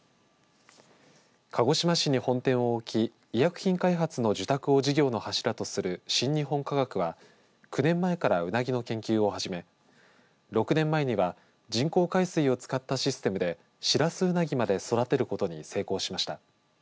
鹿児島市に本店を置き医薬品開発の受託を事業の柱とする新日本科学は９年前からうなぎの研究を始め６年前には人工海水を使ったシステムでシラスウナギまで育てることに成功しました。